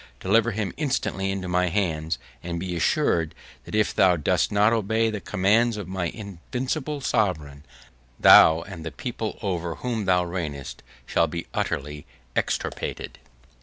Deliver him instantly into my hands; and be assured, that if thou dost not obey the commands of my invincible sovereign, thou, and the people over whom thou reignest, shall be utterly extirpated."